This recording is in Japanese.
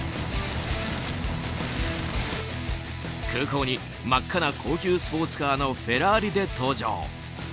空港に真っ赤な高級スポーツカーのフェラーリで登場。